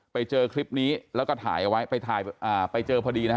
ไปเจอคลิปนี้แล้วก็ถ่ายเอาไว้ไปถ่ายอ่าไปเจอพอดีนะฮะ